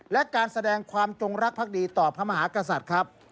และการแสดงความจงรักภักดีต่อพระมหากษัตริย์ครับ